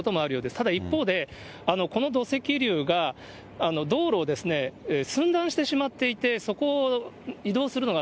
ただ一方で、この土石流が道路を寸断してしまっていて、そこを移動するのが、